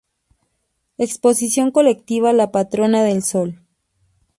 Exposición Colectiva La Patrona del Sol.